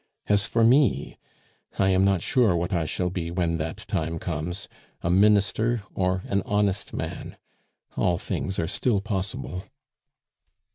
As for me, I am not sure what I shall be when that time comes, a minister or an honest man all things are still possible."